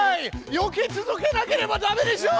よけ続けなければダメでしょう！